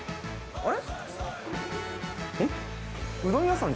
あれ？